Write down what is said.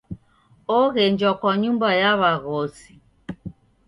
Oghenjwa kwa nyumba ya w'aghosi.